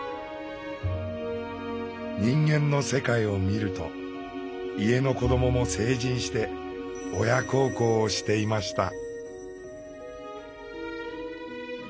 「人間の世界」を見ると家の子どもも成人して親孝行をしていました。